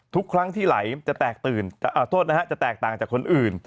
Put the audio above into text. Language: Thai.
ทุกครั้งที่ไหลจะแตกตากับคนอื่น